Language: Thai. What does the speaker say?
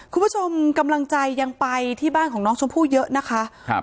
คุณผู้ชมกำลังใจยังไปที่บ้านของน้องชมพู่เยอะนะคะครับ